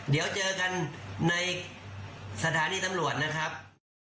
เดี๋ยวเจอกันในสถานีตำรวจนะครับ